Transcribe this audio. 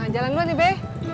jalan dulu nih be